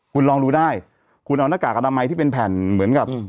คุณลองดูได้คุณเอาหน้ากากอนามัยที่เป็นแผ่นเหมือนกับ